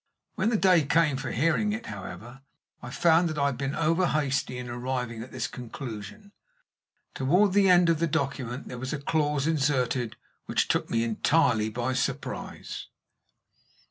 When the day came for hearing it, however, I found that I had been over hasty in arriving at this conclusion. Toward the end of the document there was a clause inserted which took me entirely by surprise.